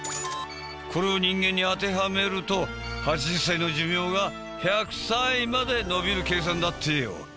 これを人間に当てはめると８０歳の寿命が１００歳まで延びる計算だってよ。